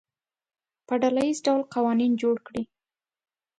په ډله ییز ډول قوانین جوړ کړي.